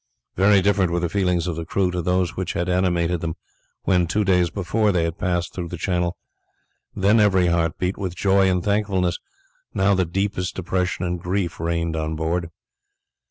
Very different were the feelings of the crew to those which had animated them when, two days before, they had passed through the channel; then every heart beat with joy and thankfulness; now the deepest depression and grief reigned on board.